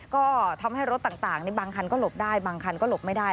ก็ทำให้รถต่างบางคันก็หลบได้บางคันก็หลบไม่ได้